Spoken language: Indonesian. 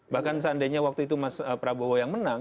bahkan seandainya waktu itu mas prabowo yang menang